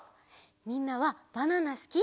みんなはバナナすき？